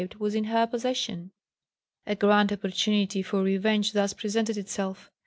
was in her possession. A grand opportunity for revenge thus presented itself.